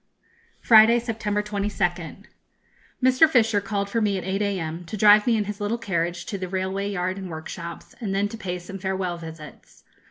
_ Friday, September 22nd. Mr. Fisher called for me at 8 a.m., to drive me in his little carriage to the railway yard and workshops, and then to pay some farewell visits.